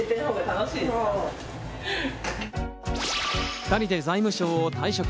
２人で財務省を退職。